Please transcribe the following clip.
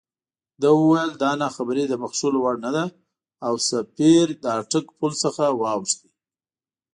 ده وویل دا ناخبري د بښلو وړ نه ده او سفیر اټک پُل واوښت.